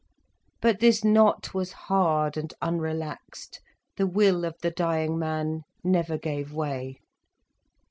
But this knot was hard and unrelaxed, the will of the dying man never gave way.